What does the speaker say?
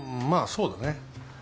そうだね。